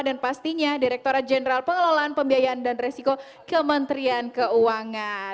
dan pastinya direkturat jenderal pengelolaan pembiayaan dan resiko kementerian keuangan